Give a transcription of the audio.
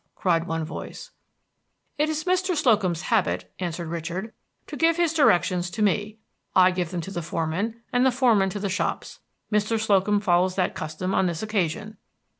cried one voice. "It is Mr. Slocum's habit," answered Richard, "to give his directions to me, I give them to the foremen, and the foremen to the shops. Mr. Slocum follows that custom on this occasion.